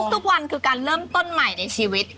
ทุกวันคือการเริ่มต้นใหม่ในชีวิต